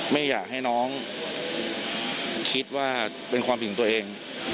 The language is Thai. ไม่อยากให้น้องคิดว่าเป็นความผิดของตัวเอง